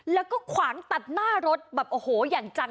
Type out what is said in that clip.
แล้วก็ขวางตัดหน้ารถแบบโอ้โหอย่างจัง